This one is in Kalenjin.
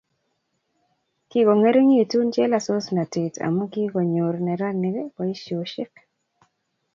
Kikongeringitu chelososnatet amu kikonyor neranik boisioshek